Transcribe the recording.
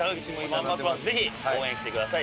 ぜひ応援に来てください。